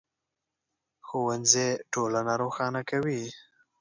ښوونځی ټولنه روښانه کوي